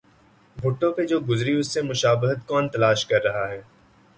بھٹو پہ جو گزری اس سے مشابہت کون تلاش کر رہا ہے؟